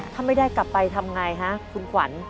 ถ้าไม่ได้กลับไปทำไงฮะคุณขวัญ